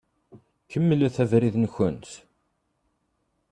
Kemmlemt abrid-nkent.